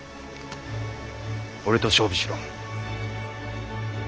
俺と勝負しろ。